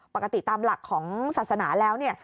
ปกติตามหลักของศาสนาแล้วเนี่ย